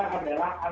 adalah ada aktor yang